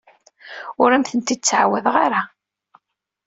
Ur am-t-id-ttɛawadeɣ ara.